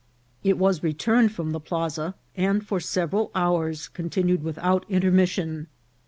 It was returned from the plaza, and for several hours continued without intermission.